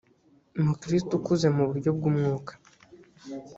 mukristo ukuze mu buryo bw umwuka